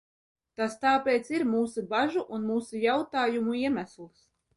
Tas tāpēc ir mūsu bažu un mūsu jautājumu iemesls.